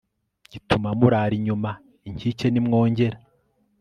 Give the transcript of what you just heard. gituma murara inyuma y inkike nimwongera